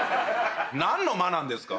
何の間なんですか？